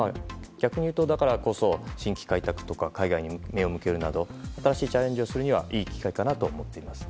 逆に言うと、だからこそ新規開拓とか海外に目を向けるなど新しいチャレンジをするにはいい機会かなと思っています。